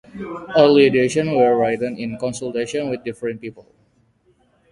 Early editions were written in consultation with different people.